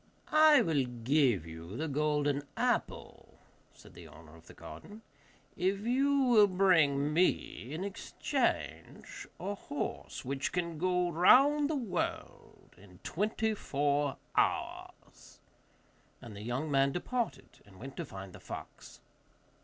'I will give you the golden apple,' said the owner of the garden, 'if you will bring me in exchange a horse which can go round the world in four and twenty hours.' And the young man departed, and went to find the fox.